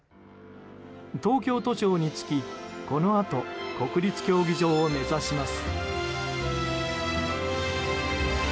東京都庁に着き、このあと国立競技場を目指します。